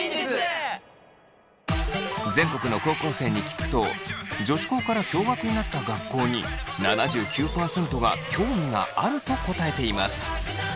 全国の高校生に聞くと女子校から共学になった学校に７９％が興味があると答えています。